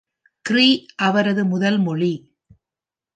க்ரீ அவரது முதல் மொழி.